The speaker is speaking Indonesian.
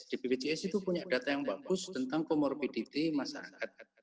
di bpjs itu punya data yang bagus tentang comorbidity masyarakat